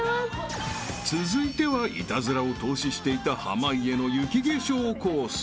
［続いてはイタズラを透視していた濱家の雪化粧コース］